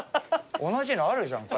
「同じのあるじゃん！」